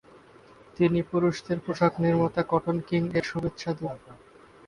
তিনি পুরুষদের পোশাক নির্মাতা কটন কিং এর শুভেচ্ছা দূত।